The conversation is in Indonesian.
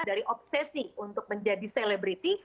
dari obsesi untuk menjadi selebriti